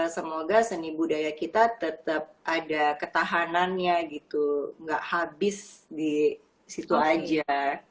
semoga seni budaya kita tetap ada ketahanannya gitu nggak habis di situ aja